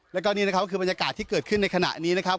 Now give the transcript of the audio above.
แล้วก็นี่นะครับก็คือบรรยากาศที่เกิดขึ้นในขณะนี้นะครับ